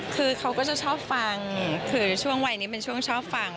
คือเขาก็จะชอบฟังคือช่วงวัยนี้เป็นช่วงชอบฟัง